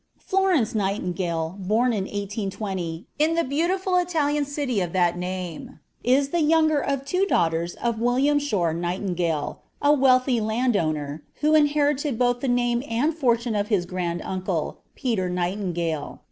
Florence Nightingale, born in 1820, in the beautiful Italian city of that name, is the younger of two daughters of William Shore Nightingale, a wealthy land owner, who inherited both the name and fortune of his granduncle, Peter Nightingale.